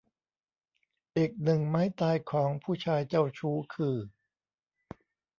อีกหนึ่งไม้ตายของผู้ชายเจ้าชู้คือ